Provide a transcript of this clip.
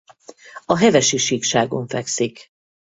A Hevesi-síkságon fekszik.